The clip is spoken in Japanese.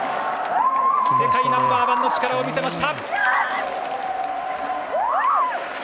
世界ナンバー１の力を見せました。